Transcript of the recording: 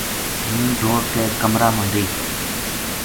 ہوں دوڑ کے اپنا کمرا ما گئی